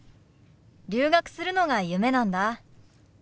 留学するのが夢なんだ。